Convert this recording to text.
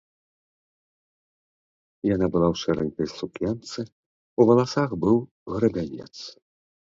Яна была ў шэранькай сукенцы, у валасах быў грабянец.